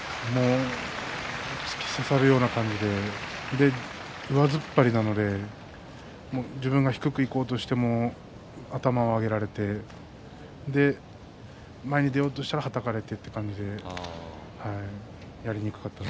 突き刺さるような感じで上突っ張りなので自分が低くいこうとしても頭を上げられて前に出ようとしたらはたかれてという感じでした。